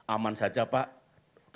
aman saja pak